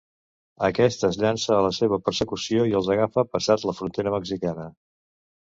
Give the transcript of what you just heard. Aquest es llança a la seva persecució i els agafa passat la frontera mexicana.